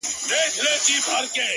ستا د ښار د ښایستونو په رنګ ـ رنګ یم’